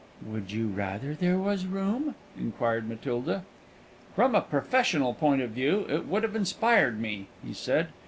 "Would you rather there was room!" inquired Matilda. "From a puffessional point of view, it would have inspired me," he said.